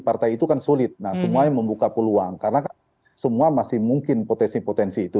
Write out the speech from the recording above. partai itu kan sulit nah semuanya membuka peluang karena semua masih mungkin potensi potensi itu